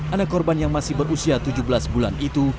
anak korban yang masih berusia tujuh belas bulan itu